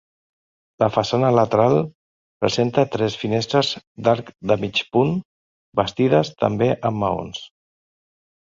La façana lateral presenta tres finestres d'arc de mig punt, bastides també amb maons.